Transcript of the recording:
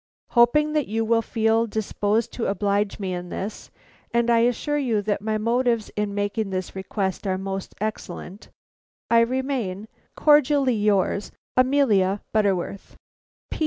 [C] "Hoping that you will feel disposed to oblige me in this and I assure you that my motives in making this request are most excellent I remain, "Cordially yours, "AMELIA BUTTERWORTH.